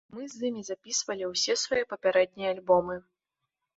Мы з імі запісвалі ўсе свае папярэднія альбомы.